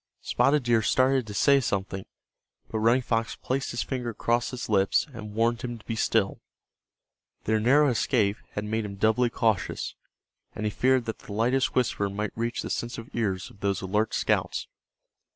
Spotted Deer started to say something, but Running Fox placed his finger across his lips and warned him to be still. Their narrow escape had made him doubly cautious, and he feared that the lightest whisper might reach the sensitive ears of those alert scouts.